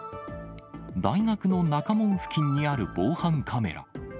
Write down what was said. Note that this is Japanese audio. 大学の中門付近にある防犯カメラ。